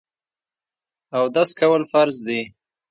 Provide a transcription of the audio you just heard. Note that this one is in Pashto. اودس کول فرض دي.